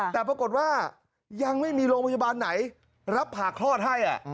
แต่ปรากฏว่ายังไม่มีโรงพยาบาลไหนรับผ่าคลอดให้